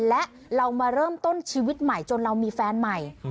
และเรามาเริ่มต้นชีวิตใหม่จนเรามีแฟนใหม่